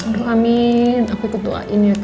aduh amin aku ketuain ya kak